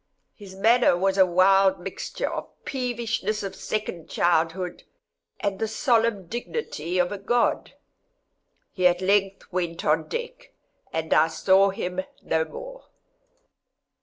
His manner was a wild mixture of the peevishness of second childhood, and the solemn dignity of a God. He at length went on deck, and I saw him no more.